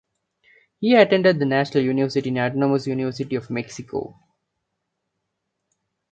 He attended the National Autonomous University of Mexico.